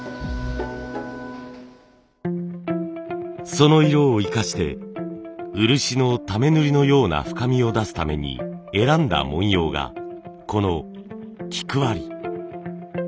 その色を生かして漆の溜塗のような深みを出すために選んだ文様がこの菊割。